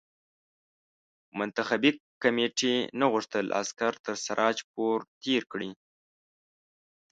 منتخبي کمېټې نه غوښتل عسکر تر سراج پور تېر کړي.